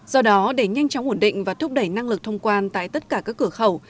do đó để nhanh chóng ổn định và thúc đẩy năng lực thông quan tại tất cả các cửa khẩu